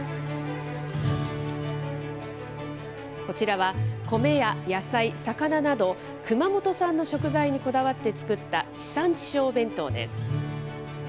こちらは、米や野菜、魚など、熊本産の食材にこだわって作った地産地消弁当です。